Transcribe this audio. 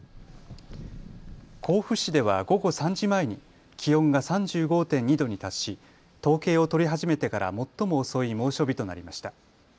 甲府市では午後３時前に気温が３５．２度に達し統計を取り始めてから最も遅い猛暑日となりました。